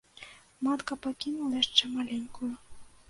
Матка пакінула яшчэ маленькаю.